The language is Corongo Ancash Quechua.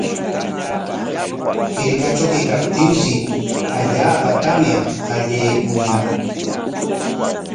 Hirkatraw kaykaptinshi allaapa tamya qallaykuñaq.